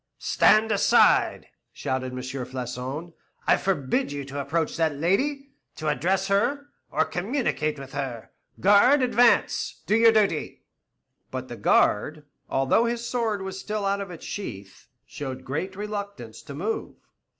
"Stand aside!" shouted M. Floçon; "I forbid you to approach that lady, to address her, or communicate with her. Guard, advance, do your duty." But the guard, although his sword was still out of its sheath, showed great reluctance to move.